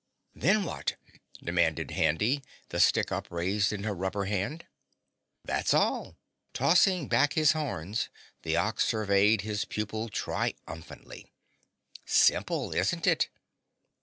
"Then what?" demanded Handy, the stick upraised in her rubber hand. "That's all!" Tossing back his horns, the Ox surveyed his pupil triumphantly. "Simple, isn't it?